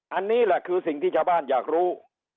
อันนี้แหละคือสิ่งที่ชาวบ้านอยากรู้